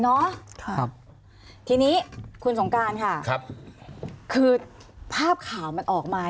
คือจริงแล้วรู้ใช่ไหมคะทรุยกุญญายรู้ใช่ไหมว่าข่าวเราเนี่ยดัง